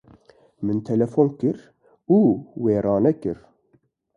Min Telefon kir û wê ranekir